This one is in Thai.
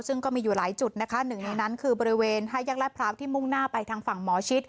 ซึ่งก็มีอยู่หลายจุดนะคะหนึ่งในนั้นคือบริเวณห้าแยกลาดพร้าวที่มุ่งหน้าไปทางฝั่งหมอชิด